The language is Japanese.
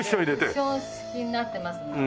クッション式になってますので。